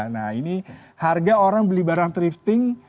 nah ini harga orang beli barang thrifting